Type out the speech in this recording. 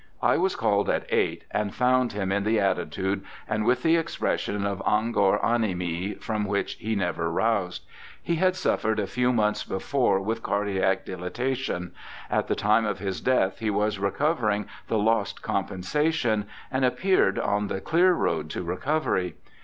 I was called at eight and found him in the attitude and with the expression of angor animi, from which he never roused. He had suffered a few months before with cardiac dilatation ; at the time of his death he was recovering the lost compensation, and appeared on the clear road to recovery.